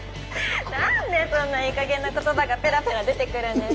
何でそんないいかげんな言葉がペラペラ出てくるんですか？